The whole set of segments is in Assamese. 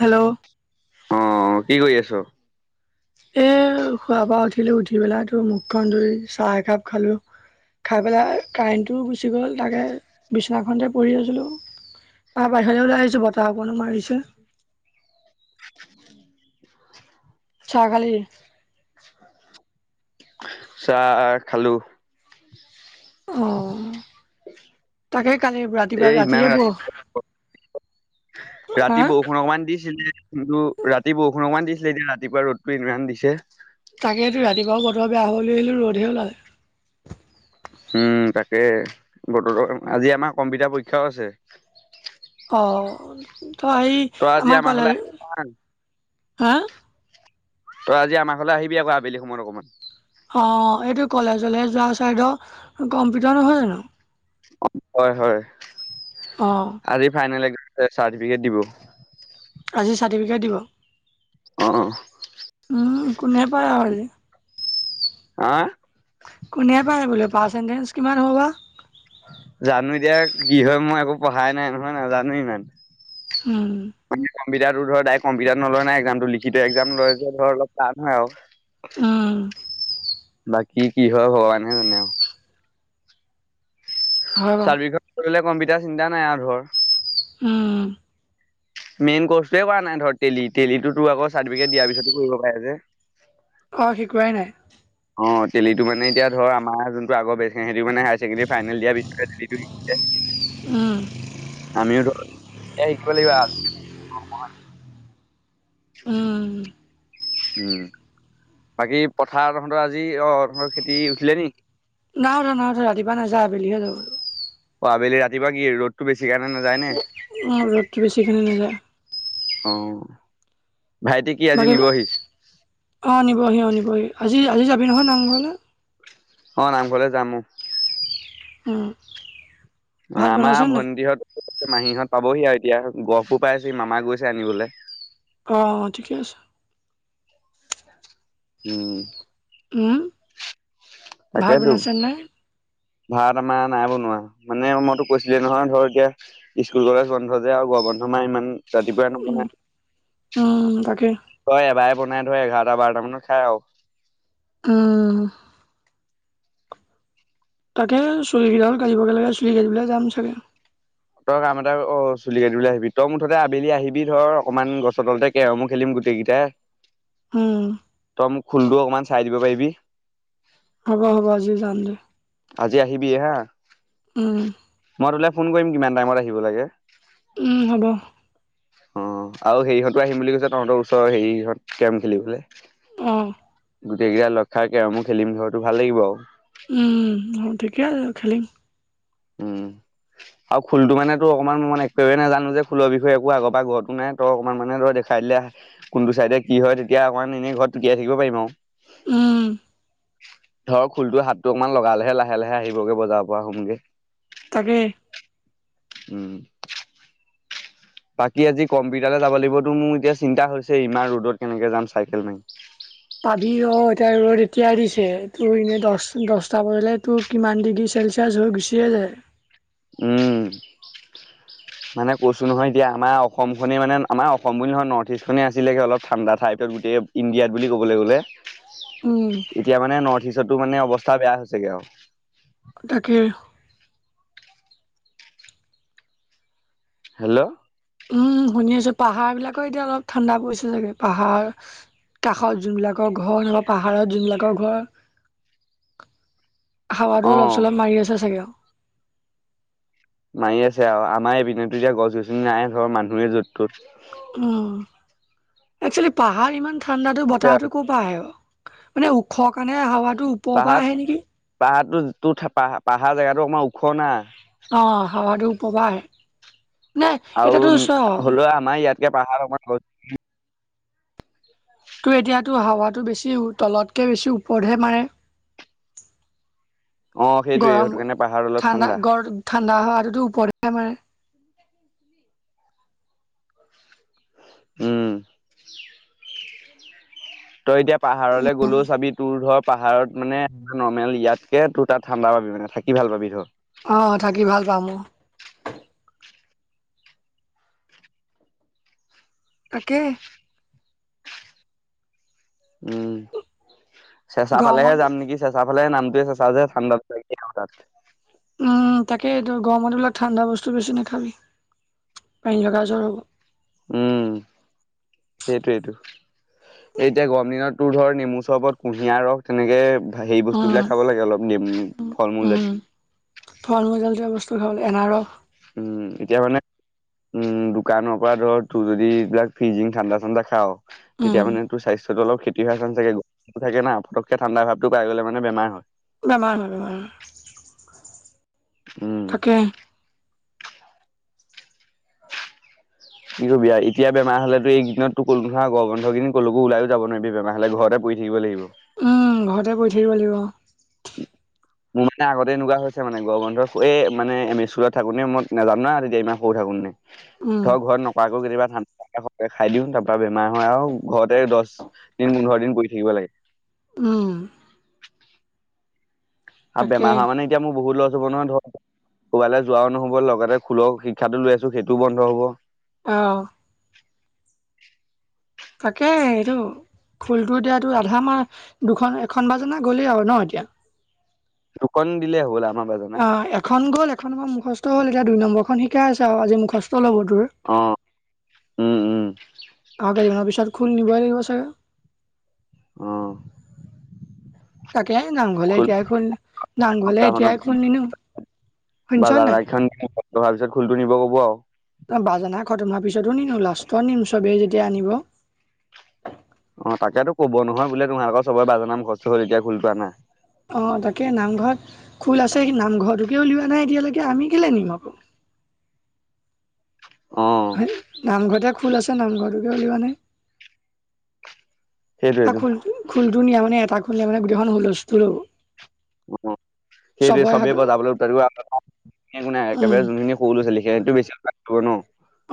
হেল্ল' অ কি কৰি আছ? এ শুৱা পৰা উঠিলো। উঠি পেলাই তোৰ মুখখন ধুই চাহ একাপ খালো। খাই পেলাই কাৰেণ্টটোও গুচি গ'ল। তাকে বিছনাখনতে পৰি আছিলোঁ। আৰু বাহিৰলে ওলাই আহিছো বতাহ অকণো মাৰিছে। চাহ খালি? চাহ খালো। অ তাকে কালি এ ৰাতিপুৱা ইমান ৰাতিয়ে ৰা বৌ ৰাতি বৰষুণ অকমান দিছিলে। কিন্তু ৰাতি বৰষুণ অকমান দিছিলে এতিয়া ৰাতিপুৱা ৰ'দতো ইমান দিছে। তাকেটো ৰাতিপুৱা বতৰ বেয়া হব ভাবিলো ৰ'দহে ওলালে। উম তাকে বতৰ আজি আমাৰ কম্পিউটাৰ পৰীক্ষাও আছে। অ ত হাই তই আজি আমাৰ ঘৰলে কলেজ হা। তই আজি আমাৰ ফলে আহিবি আকৌ আবেলি সময়ত অকমান। অ এইটো কলেজলে যোৱা চাইদৰ কম্পিউটাৰ নহয় জানো। অহ হয় হয় অ আজি ফাইনেলে এ চাৰ্টিফিকেট দিব আজি চাৰ্টিফিকেট দিব। অহ। উম কোনে পায় আৰু হা কোনে পায় বোলে পাচ পাৰ্চেন্টেজ কিমান হ'ব বা জানো দিয়া কি হয় মই একো পঢ়াই নাই নহয় নাজানো ইমান উম বাকী কম্পিউটাৰটো ধৰ ডাইৰেক্ট কম্পিউটাৰটো নলয় নহয় এক্সমটো লিখিত এক্সামটো অলপ টান হয় আৰু উম বাকী কি হয় ভগৱান হে জানে আৰু হয় বাৰু চাৰ্ভিকন কৰিলে কম্পিউটাৰ চিন্তা নাই আৰু ধৰ উম মেইন কৰ্চটোৱে কৰা নাই ধৰ তেলি তেলিতো আকৌ চাৰ্টিফিকেট দিয়াৰ পিছতো কৰিব পাৰে যে অহ শিকোৱাই নাই। তেলিটো মানে এতিয়া ধৰ আমাৰ যোনটো আগ বে সেইটো মানে হাই চেকেণ্ডৰী ফাইনেল দিয়াৰ পিছত হে তেলিটো ছি শিকিছে। উম আমিও তো এ শিকিব লাগিব। উম উম বাকী পথাৰ তহঁতৰ আজি অহ ধৰ খেতি উঠিলে নি। নাই উঠা নাই উঠা ৰাতিপুৱা নাযায় আবেলিহে যাব অহ আবেলি ৰাতিপোৱা কি ৰ'দতটো বেছি কাৰণে নাযায় নে উম ৰ'দটো বেছিকাৰণে নাযায় অহ ভাইটি কি আজি নিবহি অহ নিবহি অহ নিবহি আজি আজি যাবি নহয় নামঘৰলৈ মই। নামঘৰলে যাম উম উহ আমাৰ ভণ্টিহত মাহীহঁত পাবহি আৰু এতিয়া গহপুৰ পাইছে হি মামা গৈছে আনিবলে। অ ঠিকে আছে। উম। উম ভাত তাকেইটো বনাইছে নাই ভাত আমাৰ নাই বন- মানে মইতো কৈছিলে নহয় ধৰ এতিয়া স্কুল কলেজ বন্ধ যে আৰু গোৱা বন্ধ মই ইমান ৰাতিপুৱাই উম কোনে উম তাকে তই এবাৰে বনাই তই এঘাৰটা বাৰটা মানত খায় আৰু উম তাকে চুলিকেইডাল কাটিবগে লাগে চুলি কৰিব যাম চাগে। তই কাম এটা অ চুলি কাটিবলৈ আহিবি তই মুঠতে আবেলি আহিবি ধৰ অকনমান গছৰ তলতে কেৰমো খেলিম গোটে কেইটাই হয়। তই মোক খোলোটো অকমান চাই দিব পাৰিবি হ'ব হ'ব আজি যাম দে। আজি আহিবি হা উম। মই তোলে ফোন কৰিম কিমান টাইমত আহিব লাগে। উম হ'ব। অহ আৰু সেৰি হঁতো আহিম বুলি কৈছে তহঁতৰ ওচৰ হেৰি সিহঁত কেৰম খেলিবলে অ গোটেই কেইটা লগ খাই কেৰমো খেলিম ধৰচোন ভাল লাগিব আও উম অহ ঠিকে আছে খেলিম উম আৰু খুলটো মানে তো অকণমান মই একেবেই নাজানো খুলৰ বিষয়ে একো আগৰ পৰা ঘৰৰতো নাই তই অকমান মানে ধ দেখাই এতিয়া কোনটো চাইডে কি হয় তেতিয়া অকমান এনেই ঘৰত টোকিয়াই থাকিব পাৰিম আৰু উম ধৰক খুলটো হাতটো অকমান লগালেহে লাহে লাহে আহিবগে বজাৰৰ পৰা হোমগে তাকে উম বাকী আজি কম্পিউটাৰলে যাব লাগিবতো মোৰ এতিয়া চিন্তা হৈছে ইমান ৰ'দত কেনেকে যাম চাইকেল মাৰি। পাবি অ, এতিয়া ৰ'দ এতিয়া দিছে তোৰ এনেই দ দহটা বলে তোৰ কিমান ডিগ্ৰী চেলচিয়াছ হৈ গুচিয়ে য- তে উম [inaudible] মানে কৈছো নহয় এতিয়া অসম খনে মানে আমাৰ অসম বুলি নহয় নৰ্থ ইষ্টখনে আছিলে অলপ ঠাণ্ডা ঠাইত গোটেই ইণ্ডিয়াত বুলি ক'বলৈ গ'লে। উম, এতিয়া মানে নৰ্থ ইষ্টতো মানে অৱস্থা বেয়া হৈছেগে আউ তাকে হেল্ল' উম শুনি আছো পাহাৰ বিলাকো এতিয়া অলপ ঠাণ্ডা পৰিছে চাগে পাহাৰ কাষত যোনবিলাকৰ ঘৰ নবা পাহাৰত যোনবিলাকৰ ঘৰ হাৱাটো অলপ অ চলপ মাৰি আছে চাগে আও। মাৰি আছে আৰু আমাৰ এই পিনেতো এতিয়া গছ গছনি নাই ঘৰৰ মানুহে য'ত তত উম একচুৱেলি পাহাৰ ইমান ঠাণ্ডাতো বতাহতো ক'ৰ পৰা আহে বাও। মানে ওখ কাৰণে হাৱাটো ওপৰৰ পৰা আহে নেকি? টোজ টো পাহ পাহাৰ জেগাটো অকমাৰ ওখ না। অ হাৱাটো উপপা আহে। নে আৰু এতিয়াতো চ হলেও আমাৰ ইয়াতকে পাহাৰ [unintelligible] টো হাৱাতটো বেছি তলতকে বেছি ওপৰতহে মাৰে। অ সেইটোয়ে গৰম সেইটো কাৰণে পাহাৰ অলপ ঠাণ্ডা গৰ ঠাণ্ডা হাৱাটো টো ওপৰতহে মাৰে। উম তই এতিয়া পাহাৰলৈ গ'লও চাবি তোৰ ধৰ পাহাৰত মানে নৰ্মেল ইয়াতকে তোৰ তাত ঠাণ্ডা পাবি মানে থাকি ভাল পাবি ধ অ থাকি ভাল পাম অ তাকে উম চেঁচা পালেহে গৰমত যাম নেকি চেচা হলে নামটোৱে চেঁচা ঠাণ্ডাত লে যাব তাত উম তাকে গৰমত বিলাক ঠাণ্ডা বস্তু বেছি নাখাবি। পানী লগা জ্বৰ হ'ব। উম সেইটোৱেতো এতিয়া গৰম দিনতো ধৰ নেমু চৰবত কুঁহিয়াৰ ৰস তেনেকে সেই উম বস্তুবিলাক খাব লাগে অলপম নেমু ফল মূল জাত টো খাব লাগে এনাৰস উম এতিয়া মানে উম দোকানৰ পৰা ধৰ তোৰ যদি এইবিলাক ফিজিং ঠাণ্ডা ঠাণ্ডা খাওঁ। উম তেতিয়া মানে তোৰ স্বাস্থ- অলপ ক্ষতি হয় চান্স থাকে গ থাকে না পতককে ঠাণ্ডা ভাৱটো পাই গ'লে মানে বেমাৰ হয়। বেমাৰ হয় বেমাৰ হয়। উম থাকে। [inaudible] কি কবি আৰু এতিয়া বেমাৰ হলেতো এইদিনতো কলো নহয় গৰম বন্ধকেইদিন কলৈকো ওলায়ও যাব নোৱাৰিবি বেমাৰ হলে ঘৰত তে পৰি থাকিব লাগিব। উম ঘৰতে পৰি থাকিব লাগিব। মোৰ মানে আগতে এনেকুৱা হৈছে মানে গৰম বন্ধত এই মানে এ মি স্কুলত থাকোতেনে মই নাজানো ন তেতিয়া ইমান সৰু থাকো তেনে। উম ধৰ ঘৰত নোকৱাকৈ কেতিয়াবা ঠাণ্ডা ঘপকে খাই দিওঁ তাৰ পৰা বেমাৰ হয় আৰু ঘৰতে দহ দিন, পোন্ধৰ দিন পৰি থাকিব লাগে। উম। আৰু তাকে বেমাৰ হোৱা মানে এতিয়া মোৰ বহুত লছ হব নহয় ধৰ কৰবালে যোৱাও নহব লগতে খোলৰ শিক্ষাটো লৈ আছো সেইটোও বন্ধ হব। আঁহ। তাকে এইটো খোলটো এতিয়া এইটো আধা মাহ দুখন এখন বাজানা গ'লেই আৰু ন এতিয়া? দুখন দিলে হ'বলা। অ এখন গ'ল এখনৰ খন মুখস্থ হ'ল এতিয়া দুই নম্বৰখন শিকাই আছে আৰু আজি মুখস্থ লব তোৰ অ উম উম আৰু কেইদিনমানৰ পি পিছত খোল নিবই লাগিব চাগে। আঁহ তাকে নামঘৰলে এতিয়াই খোল নামঘৰলে এতিয়াই খোল নিনো। শুনিছ নাই? বজানা কিখন খতম হোৱা পিছত খোলটো নিব কব আৰু। বাজানা খতম হোৱাৰ পিছতো নিনো লাষ্টত নিম চবেই যেতিয়া আনিব। অঁ তাকেতো ক'ব নহয় বোলে তোমাৰ আকৌ চবৰ বাজনা মুখস্ত হ'ল এতিয়া খোলটো আনা। অঁ তাকে নামঘৰত খোল আছে, নামঘৰটোকে উলিওৱা নাই এতিয়ালৈকে আমি কেলে নিম আকৌ। [inaudible] অ নামঘৰতে খোল আছে নামঘৰটোকে উলিওৱা নাই। আৰু সেইটোৱেটো খোল খোলটো নিয়া মানে এটা খোলে মানে গোটেইখন হুলস্থুল হব। উম সেইটোৱে চবৰে চবেই হাতত বজাবলৈ একো নাই উম, একেবাৰে যোনখিনি সৰু লৰা ছোৱালী সেইখিনিটো বেছি উৎপাত কৰিব ন।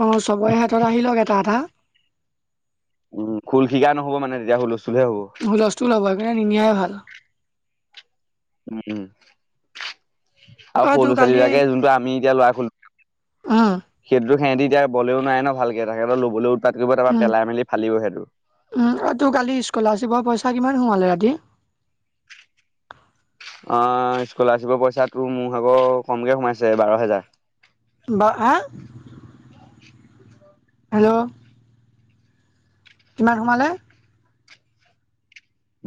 অঁ চবৰে হাতত আহিল লওক এটা এটা। উম খোল শিকা নহ'ব মানে তেতিয়া হুল হুলস্থুল হব সেইকাৰণে নিনিয়াই ভাল। উম। আৰু অ সৰু তোৰ লৰা কালি ছোৱালীবিলাকে যোনটো আমি এতিয়া লৰা উম সেইটো সিহঁতি এতিয়া বলেও নোৱাৰে ন ভালকে তাহাঁতে লবলেও উম উম আৰু তোৰ কালি স্কলাৰশ্বিপৰ পই চা কিমান সোমালে ৰাতি? অঁ স্কলাৰশ্বিপৰ পইচাটো মোৰ ভাগৰ কমকে সোমাইছে বাৰ হেজাৰ। [unintelligible] হেল্ল'! কিমান সোমালে?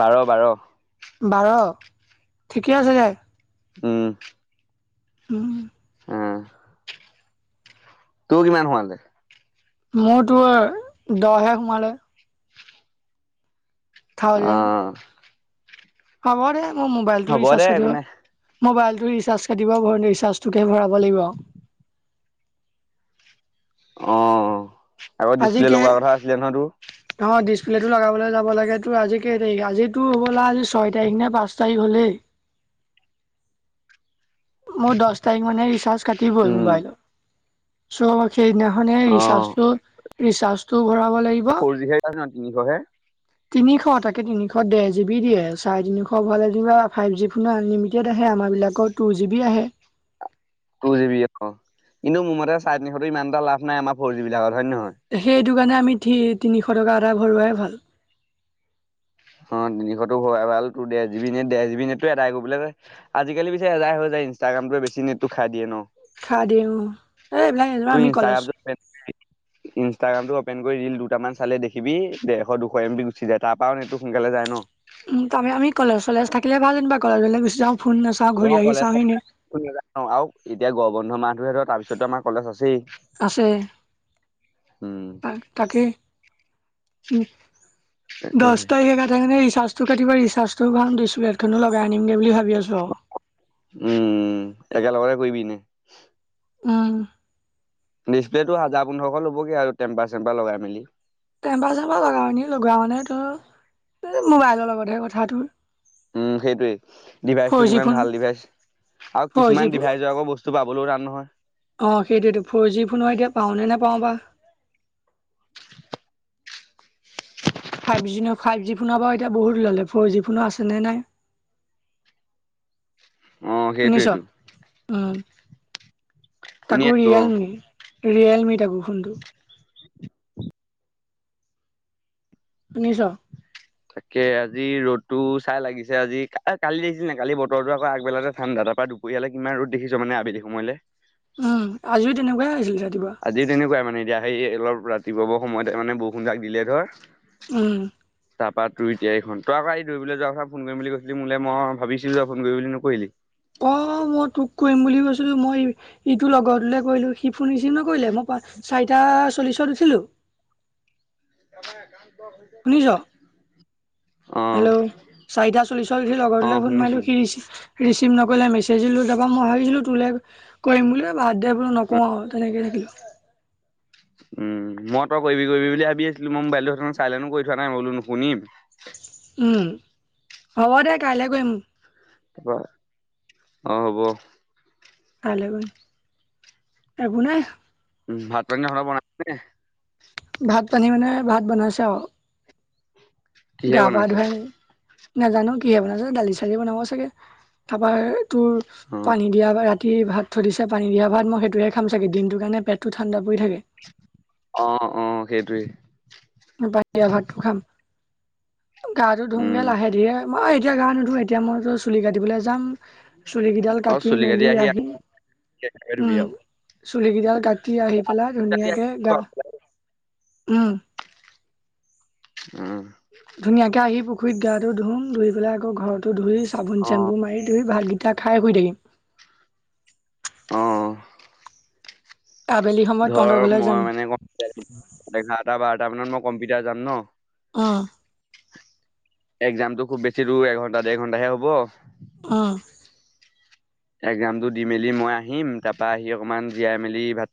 বাৰ বাৰ। বাৰ ঠিকে আছে দে। উম। উম। এ তোৰ কিমান সোমালে? মোৰতো দহহে সোমালে। অ থাউজেণ্ড। হ'ব দে মোৰ মবাইলটো হ'ব দে ৰিচাৰ্জ হৈ একো থাকিব, নাই মোবাইলটোকে কাটিব ৰিচাৰ্জটোকে ভৰা কব লাগিব অ আকৌ ডিচপ্লে আজিকে লগোৱাৰ কথা আছিলে নহয় তোৰ অহ ডিচপ্লেটটো লগাবলৈ যাব লাগিব তো আজিকেই তাৰিখ আজিতো হ'বলা আজি ছয় তাৰিখ নে পাঁচ তাৰিখ হ'লেই [unintelligible] মই দহ তাৰিখ মানে ৰিচাৰ্জ কাটিবই উম মোবাইলৰ চো সেইদিনাখনে অ ৰিচাৰ্জটো ৰিচাৰ্জটো ভৰাম ফৰ জিহে নয়হ তিনিশহে তিনিশ তাকে তিনিশ দে জিব দিয়ে চাৰে তিনিশ ভালেনিবা ফাইভ জি আনলিমেন্ট আহে কিছুমান বিলাকৰ টু জি বি আহে টু জি বি অহ কিন্তু মোৰ মতে চাৰ তিনিশো ইমান এটা লাভ নাই আমাৰ ফৰ জিব বিলাকত হয় নে নহয় সেইটো কাৰণে আমি তি তিনিশ টকা এটা ভৰোৱাই ভাল অহ তিনিশ তো হয় ডে ডেদে এদাই কৰিবলৈ আজিকালি পিছে এজাই ইনষ্টাগ্ৰামটো বেছি নেটো খাই দিয়ে ন খা দে অহ তোৰ ইনষ্টাগ্ৰামটো ইনষ্টাগ্ৰামটো অপেন কৰিল দিম দুটা দুটামান চালে দেখিবি ডেৰশ দুশ এম বি গুচি যায় তাৰ পৰাওটো সোনকালে যায় ন উম তাতে আমি কলেজ থাকিলে ভাল যেন বা কলেজ বিললে গুচি যাওঁ ফোন নচাও ঘূৰি অ আহ আহি কলেজ চামি নে নাজানো আৰু এতিয়া গৰম বন্ধ মাহ তেতিয়া তো পিছত আমাৰ কলেজ আছেই আছে উম উম দহ তাকেহে তাৰিখে থাকালে ৰিচাৰ্জ কাটতিা ৰিচাৰ্জটো ভাল দিছ প্লে এখনো লগাই আনিমগে বুলি ভ উম একেলগে কৰিবি এনেই অহ ডিপ্লেটো হাজাৰ পোন্ধৰশ ল'বগৈ আৰু টেম্পাৰ চেম্পাৰ লগাই মেলি টেম্পাৰ চেম্পাৰ লগাও এ লগোৱা মানে ত মোবাইলৰ লগতহে কথাটোৰ উম সেইটোৱেই ডিভাইচ টো কিমান ফোন ভাল ডিভাইচ আৰু ফ'ৰ জি কিছুমান ফোন ডিভাইচৰ আকৌ বস্তু পাব ক'লেও ৰা নহয় অ সেইটোতটো ফৰ জি ফোন এতিয়া পাওনে নে পাও বা ফাইভ জি ফাইভ জি ফোনৰ বাৰু এতিয়া বহুত ললে ফ'ৰ জি ফোনো আছে নে নাই [unintelligible] অ সেইটো শুনিছ সেইটো উম তাকো অ ৰিয়েলমি ৰিয়েলমি তাকো ফোনটো। শুনিছ। তাকে আজি ৰ'দতো চাই লাগিছে আজি কালি দেখিছে ন কালি বতৰতো আকৌ আগবেলাতে ঠাণ্ডা। তাৰ পৰা দুপৰীয়ালৈ কিমান ৰদ দেখি মানে আবেলি সময়লে। উম আজিও তেনেকুৱাইে আহিছিলে আজি তেনেকুৱাই মানে এতিয়া সেই অলপ ৰাতিপুৱা সময়তে মানে বৰষুণ তাক দিলে ধৰ উম তাৰপা তোৰ দিয়াই খন তই আকৌ এই দৌবলৈ যোৱাৰ কথা ফোন কৰিম বুলি কৈছিলি মোলে মই ভাবিছিলোই ফোন কৰি বুলি নকৰিলি অহ মই তোক কৰিম বুলি কৈছিলো মই ইটো লগতলে কৰিলো সি ফোন ৰিচিভ নকৰিলে মই চাৰিটা চল্লিশত উঠছিলো বৰ্তমান কাম শুনিছ অ হেল্ল' চাৰিটা চল্লিছ সি অ লগৰতো ফোন শুনিছো মাৰিলো সি ৰিচি ৰিচিভ নকৰিলে মেছেজ দিলোঁ তাৰপা মই ভাবিছিলোঁ তোলে কৰিম বুলি বা এ বলো অ নকওঁ আৰু তেনেকে থাকিলো উম মই তই কৰিবি কৰিবি বুলি ভাবি আছিলো মই মোবাইলটো সেইতে চাই লনো কৰি থোৱা নাই বোলো নুশুনিম উম হ'ব দে কাইলে গৈ কৰিম তাৰপৰা অ হ'ব [unintelligible] উ ভাত পানী সৰ বনাইছে ভাত পানী মানে ভাত বনাইছে আৰু কিহে গা পা বনাইছে ধুৱাই মেলি নাজানো কিহে বনাইছে দালি চালিও বনাব চাগে তাৰপা অ পানী দিয়া ৰাতি ভাত থৈ দিছে পানী দিয়া ভাত মই সেইটোয়ে খাম চাগে দিনটোৰ কাৰণে পেটটো ঠাণ্ডা। পৰি থাকে অ অ সেইটোৱে। পানী দিয়া ভাতটো খাম গাটো ধুংগে উম লাহে ধীৰে মই এতিয়া গা নুধু এতিয়া মইতো চুলি কাটিবলৈ যাম। চুলি কিডাল অ কাটি চুলি মেলি আকৌ আহি। একেবাৰে ধুবি উম আও চুলি কেইডাল কাটি আহি পেলাই ধুনীয়াকে গা। উম। উম। ধুনীয়াকে আহি পুখুৰীত গাটো ধুম ধুই পেলাই আকৌ ঘৰতো ধুই চাবোন অ চেম্পু মাৰি ধুইম। ভাতকেইটা খাই শুই থাকিম। অ আবেলি সময়ত ধৰ তহঁতৰ ঘৰলে মই যাম মানে ক এঘাৰটা বাৰটা মানত মই কম্পিউটাৰ যাম ন। অহ। এক্জামতটো খুব বেছি ৰৰু এঘণ্টা দেৰ ঘণ্টা হে হ'ব। অঁহ। একজামটো দি মেলি মই আহিম তাৰ পৰা আহি অকমান জীয়াই মেলি ভাত।